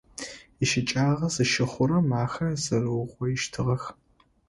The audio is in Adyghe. ИщыкӀагъэ зыщыхъурэм ахэр зэрэугъоищтыгъэх.